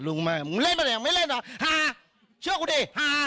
ลุงมามึงเล่นมันยังไม่เล่นเหรอฮ่าฮ่าเชื่อกูดิฮ่าฮ่า